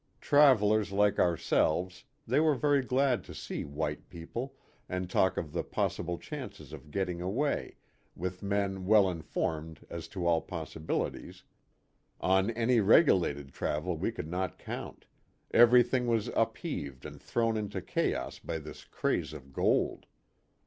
Travelers like ourselves, they were very glad to see " white people " and talk of the possible chances of getting away, with men well informed as to all possibilities ; on any regulated travel we could not count everything was upheaved and thrown into chaos by this craze of gold.